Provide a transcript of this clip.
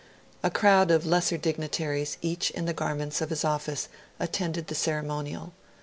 A crowd of lesser dignitaries, each in the garments of his office, attended the ceremonial.